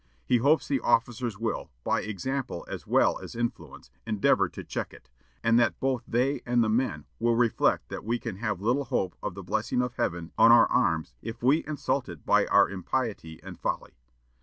He hopes the officers will, by example as well as influence, endeavor to check it, and that both they and the men will reflect that we can have little hope of the blessing of Heaven on our arms if we insult it by our impiety and folly.